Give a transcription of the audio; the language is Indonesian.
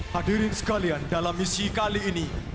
hadirin sekalian dalam misi kali ini